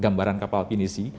gambaran kapal kinesi